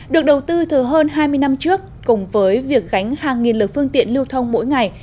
được đầu tư thừa hơn hai mươi năm trước cùng với việc gánh hàng nghìn lực phương tiện lưu thông mỗi ngày